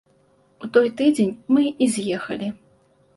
У той тыдзень мы і з'ехалі.